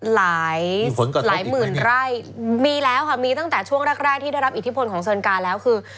หลายหมื่นไร่มีแล้วค่ะมีตั้งแต่ช่วงแรกที่ได้รับอิทธิพลของเซินกาแล้วคือ